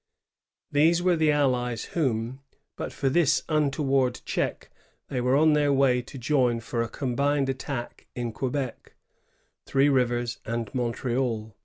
These were the allies whom, but for this untoward check, they were on their way to join for a combined attack on Quebec, Three Rivers, and Montreal.